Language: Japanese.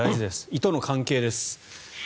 胃との関係です。